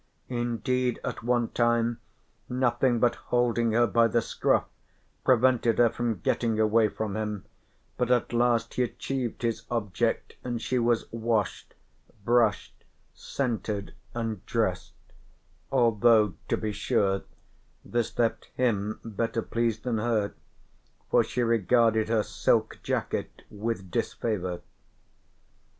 Indeed at one time nothing but holding her by the scruff prevented her from getting away from him, but at last he achieved his object and she was washed, brushed, scented and dressed, although to be sure this left him better pleased than her, for she regarded her silk jacket with disfavour.